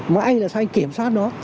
mà anh là sao anh kiểm soát nó